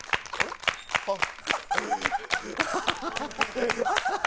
あっ。